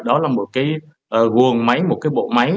đó là một cái luồng máy một cái bộ máy